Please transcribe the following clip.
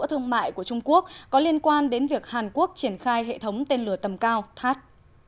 các hệ thống tên lửa tầm cao của trung quốc có liên quan đến việc hàn quốc triển khai hệ thống tên lửa tầm cao that